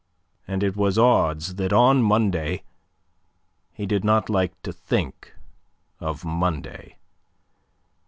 And it was odds that on Monday... He did not like to think of Monday.